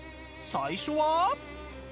最初は？